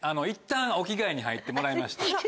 いったんお着替えに入ってもらいまして。